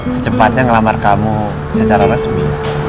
secepatnya ngelamar kamu secara resmi